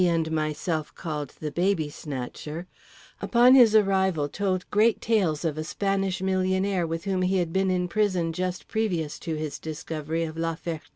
and myself called The Baby snatcher)—upon his arrival told great tales of a Spanish millionaire with whom he had been in prison just previous to his discovery of La Ferté.